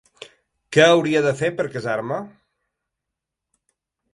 Que hauria de fer per casar-me?